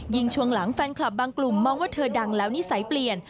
ช่วงหลังแฟนคลับบางกลุ่มมองว่าเธอดังแล้วนิสัยเปลี่ยน